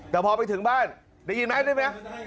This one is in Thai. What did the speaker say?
แต่พอไปถึงบ้านได้ยินไหม